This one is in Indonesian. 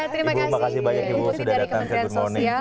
terima kasih banyak ibu sudah datang ke good morning